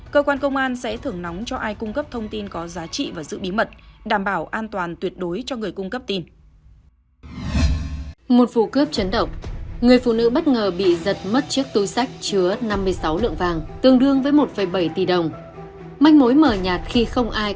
cơ quan công an sẽ thưởng nóng cho ai cung cấp thông tin có giá trị và giữ bí mật đảm bảo an toàn tuyệt đối cho người cung cấp tin